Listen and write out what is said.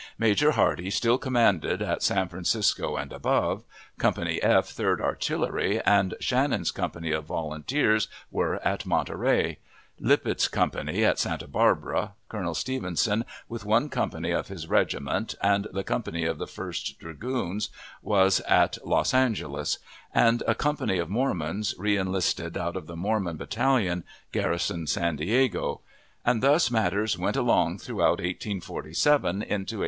Major Hardie still commanded at San Francisco and above; Company F, Third Artillery, and Shannon's company of volunteers, were at Monterey; Lippett's company at Santa Barbara; Colonel Stevenson, with one company of his regiment, and the company of the First Dragoons, was at Los Angeles; and a company of Mormons, reenlisted out of the Mormon Battalion, garrisoned San Diego and thus matters went along throughout 1847 into 1848.